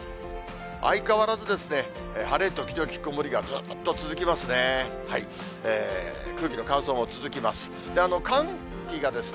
相変わらずですね、晴れ時々曇りがずっと続きますね。